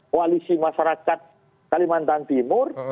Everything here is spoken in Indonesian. koalisi masyarakat kalimantan timur